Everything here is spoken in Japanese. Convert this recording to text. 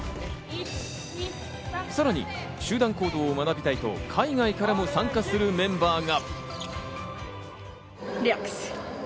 さらに集団行動を学びたいと、海外からも参加するメンバーが。